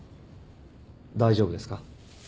大丈夫ですか？